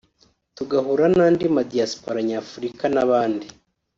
tugahura n’andi ma Diaspora Nyafurika n’abandi